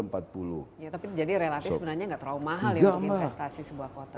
iya tapi jadi relatif sebenarnya nggak terlalu mahal ya untuk investasi sebuah kota